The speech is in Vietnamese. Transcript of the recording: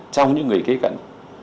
trong những người kế cận